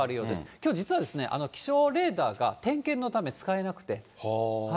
きょう実はですね、気象レーダーが点検のため使えなくて。